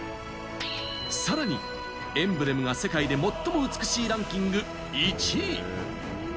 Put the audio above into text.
さらに、エンブレムが世界で最も美しいランキング１位。